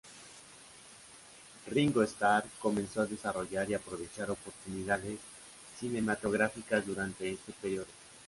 Ringo Starr comenzó a desarrollar y aprovechar oportunidades cinematográficas durante este período.